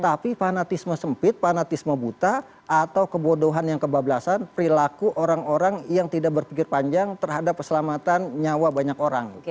tapi fanatisme sempit fanatisme buta atau kebodohan yang kebablasan perilaku orang orang yang tidak berpikir panjang terhadap keselamatan nyawa banyak orang